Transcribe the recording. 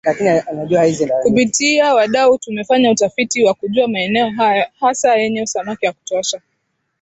Kupitia wadau tumefanya utafiti wa kujua maeneo hasa yenye samaki wa kutosha